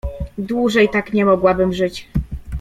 "Dłużej tak nie mogłabym żyć."